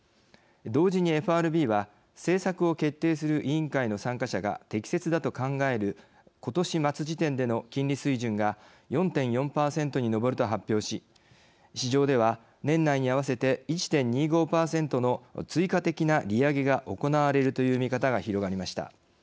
同時にＦＲＢは政策を決定する委員会の参加者が適切だと考える今年末時点での金利水準が４．４％に上ると発表し市場では、年内に合わせて１．２５％の追加的な利上げが行われるという見方が広がりました。